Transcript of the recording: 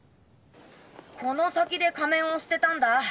この先で仮面を捨てたんだ。